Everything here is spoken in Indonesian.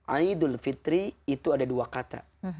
aidul fitri itu ada dua kata